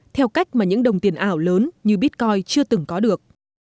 theo cách mà những đồng tiền ảo lớn như bitcoin chưa từng có được